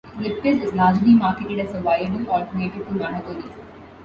Lyptus is largely marketed as a viable alternative to mahogany.